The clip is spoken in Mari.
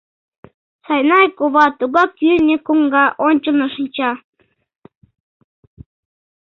Сайнай кова тугак кӱртньӧ коҥга ончылно шинча.